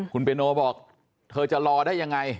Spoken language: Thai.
คุณเปโนบอกเธอจะรอได้ยังไง